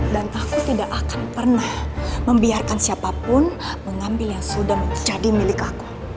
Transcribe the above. aku tidak akan pernah membiarkan siapapun mengambil yang sudah jadi milik aku